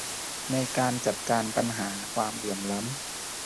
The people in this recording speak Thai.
ในการจัดการปัญหาความเหลื่อมล้ำ